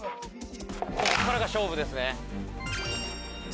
こっからが勝負です。